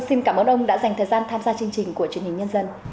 xin cảm ơn ông đã dành thời gian tham gia chương trình của truyền hình nhân dân